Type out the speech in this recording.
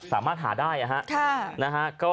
สามารถหาได้นะฮะ